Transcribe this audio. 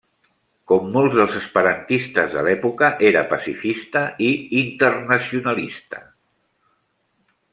Com molts dels esperantistes de l'època, era pacifista i internacionalista.